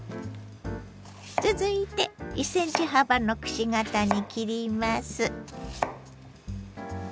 続いて１ｃｍ幅のくし形に切ります。